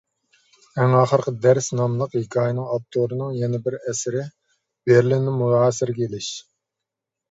«ئەڭ ئاخىرقى دەرس» ناملىق ھېكايىنىڭ ئاپتورىنىڭ يەنە بىر ئەسىرى — «بېرلىننى مۇھاسىرىگە ئېلىش».